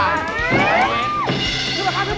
รึเปล่าครับ